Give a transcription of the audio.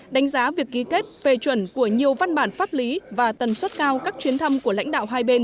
đánh giá việc ký kết về chuẩn của nhiều văn bản pháp lý và tần suất cao các chuyến thăm của lãnh đạo hai bên